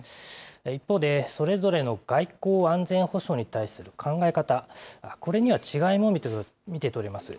一方で、それぞれの外交・安全保障に対する考え方、これには違いも見て取れます。